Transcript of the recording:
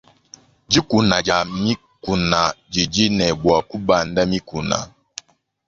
Dikuna dia mikuna didi ne bua kubanda mikuna.